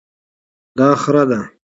دا خره ده